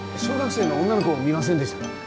小学生の女の子を見ませんでしたか？